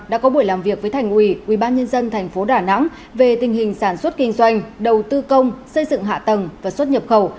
đã có buổi làm việc với thành ủy ubnd tp đà nẵng về tình hình sản xuất kinh doanh đầu tư công xây dựng hạ tầng và xuất nhập khẩu